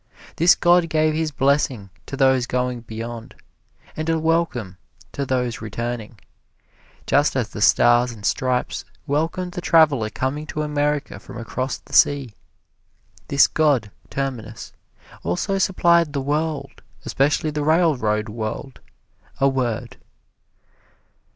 This god gave his blessing to those going beyond, and a welcome to those returning, just as the Stars and Stripes welcome the traveler coming to America from across the sea. This god Terminus also supplied the world, especially the railroad world, a word.